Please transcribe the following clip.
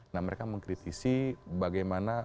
nah mereka mengkritisi bagaimana